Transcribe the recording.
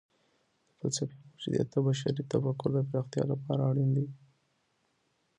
د فلسفې موجودیت د بشري تفکر د پراختیا لپاره اړین دی.